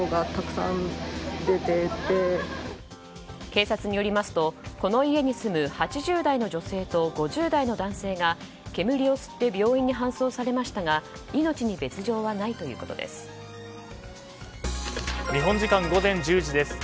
警察によりますとこの家に住む８０代の女性と５０代の男性が煙を吸って病院に搬送されましたが日本時間午前１０時です。